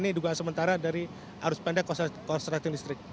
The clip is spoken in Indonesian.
ini dugaan sementara dari arus pendek konstratif listrik